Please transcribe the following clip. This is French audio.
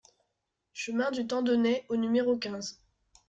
Chemin du Tandenet au numéro quinze